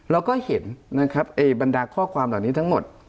เราก็เห็นนะครับไอ้บรรดาข้อความเหล่านี้ทั้งหมด